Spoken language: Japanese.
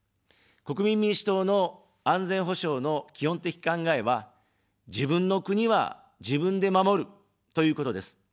国民民主党の安全保障の基本的考えは、自分の国は自分で守る、ということです。